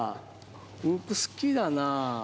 好きだな。